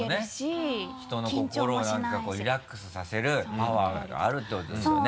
そうね人の心を何かこうリラックスさせるパワーがあるってことですよね。